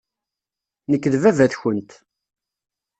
Nekk d baba-tkent.